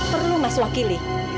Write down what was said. tidak perlu mas wakili